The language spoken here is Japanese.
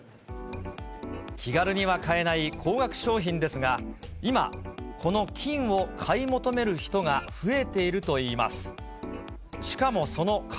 気軽には買えない高額商品ですが、今、この金を買い求める人が増えているといいます。